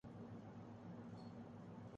میں اس پر لعنت نہیں بھیجوں گا۔